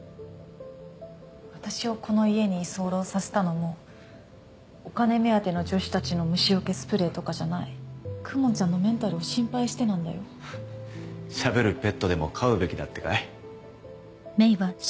私をこの家に居候させたのもお金目当ての女子たちの虫よけスプレーとかじゃない公文ちゃんのメンタルを心配してなんだよしゃべるペットでも飼うべきだってかい？